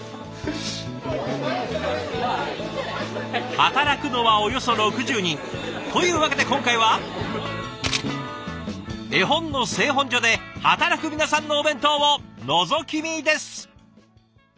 働くのはおよそ６０人。というわけで今回は絵本の製本所で働く皆さんのお弁当をのぞき見です。